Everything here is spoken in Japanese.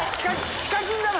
ヒカキンだろ